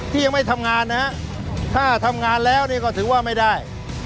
ที่ยังไม่ทำงานนะฮะถ้าทำงานแล้วเนี่ยก็ถือว่าไม่ได้